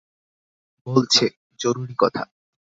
বলছে, জরুরি কথা।